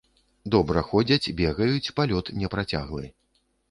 Добра ходзяць, бегаюць, палёт непрацяглы.